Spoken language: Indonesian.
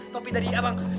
topi tadi abang